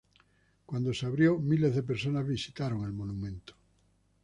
Cuando se abrió, miles de personas visitaron el monumento.